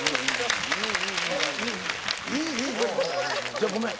ちょっとごめん。